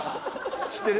知ってる？